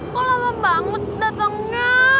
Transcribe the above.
kok lama banget datangnya